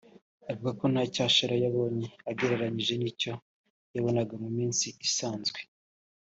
avuga ko nta cyashara yabonye agereranyije n’icyo yabonaga mu minsi isanzwe